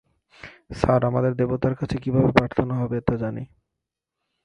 Sir, আমাদের দেবতার কাছে কিভাবে প্রার্থনা হবে তা জানি।